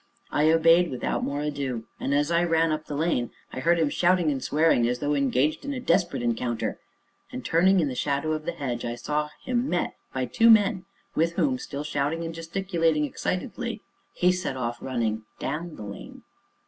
I obeyed without more ado, and, as I ran up the lane, I heard him shouting and swearing as though engaged in a desperate encounter; and, turning in the shadow of the hedge, I saw him met by two men, with whom, still shouting and gesticulating excitedly, he set off, running down the lane.